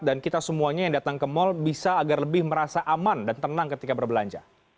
dan kita semuanya yang datang ke mal bisa agar lebih merasa aman dan tenang ketika berbelanja